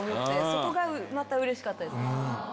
そこがまたうれしかったです。